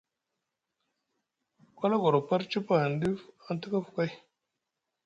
Ku hala gorof par cup ahani ɗif aŋ tika afu kay.